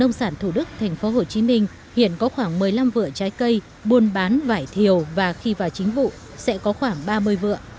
nông sản thủ đức thành phố hồ chí minh hiện có khoảng một mươi năm vựa trái cây buôn bán vải thiều và khi vào chính vụ sẽ có khoảng ba mươi vựa